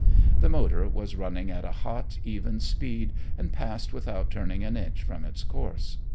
The motor was running at a hot, even speed, and passed without turning an inch from its course.